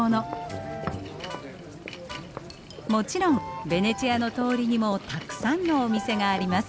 もちろんベネチアの通りにもたくさんのお店があります。